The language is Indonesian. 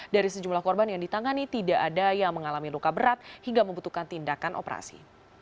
dari sejumlah korban yang ditangani tidak ada yang mengalami luka berat hingga membutuhkan tindakan operasi